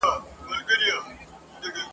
د خوبونو قافلې به دي لوټمه ..